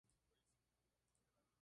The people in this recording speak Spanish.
Este es un texto poco ortodoxo.